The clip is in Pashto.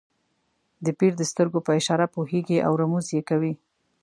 د پیر د سترګو په اشاره پوهېږي او رموز یې کوي.